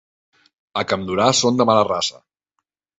A Campdorà són de mala raça.